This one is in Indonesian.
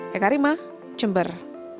ya karima cember